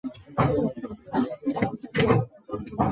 其终点站迁往现址埃默里维尔市。